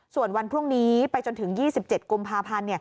ส่วนวันพรุ่งนี้ไปจนถึง๒๗กุมภาพันธ์